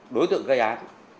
đối tượng gây án